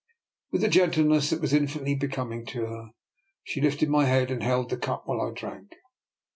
With a gentleness that was infinitely be coming to her, she lifted my head and held the cup while I drank.